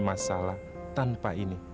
masalah tanpa ini